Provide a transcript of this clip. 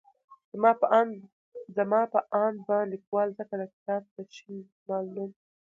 زما په اند به ليکوال ځکه د کتاب ته شين دسمال نوم